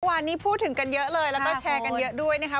วันนี้พูดถึงกันเยอะเลยแล้วก็แชร์กันเยอะด้วยนะคะ